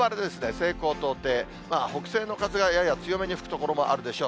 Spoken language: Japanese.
西高東低、北西の風がやや強めに吹く所もあるでしょう。